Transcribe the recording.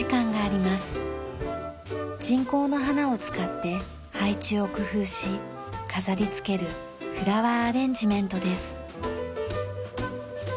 人工の花を使って配置を工夫し飾りつけるフラワーアレンジメントです。